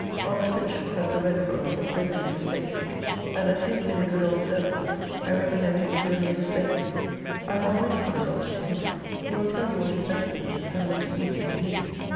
Honest Pritchard has the rent roll of both these estates; and as he has been a good old servant, I recommend him to your lady's favour. I have already consulted him: he will tell you what is best for you, and most pleasing to me.